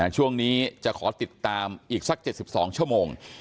ช่วงนี้จะขอติดตามอีกสัก๗๒ชั่วโมง